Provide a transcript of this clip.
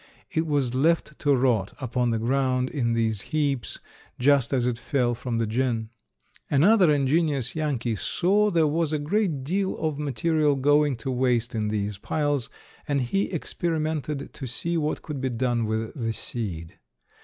It was left to rot upon the ground in these heaps just as it fell from the gin. Another ingenious Yankee saw there was a great deal of material going to waste in these piles, and he experimented to see what could be done with the seed.